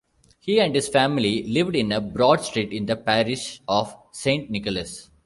He and his family lived in Broad Street in the parish of Saint Nicholas.